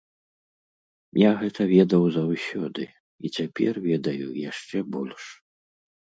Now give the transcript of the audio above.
Я гэта ведаў заўсёды, і цяпер ведаю яшчэ больш.